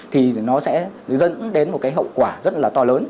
thì nó sẽ dẫn đến một hậu quả rất to lớn